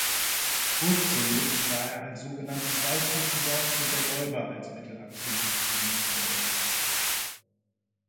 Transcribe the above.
Ursprünglich war er als sogenanntes Waldhufendorf mit der Leuba als Mittelachse gegründet worden.